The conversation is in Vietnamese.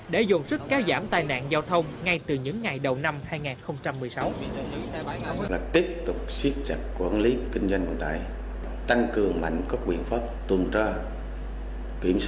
để dồn sức kéo giảm tai nạn giao thông ngay từ những ngày đầu năm hai nghìn một mươi sáu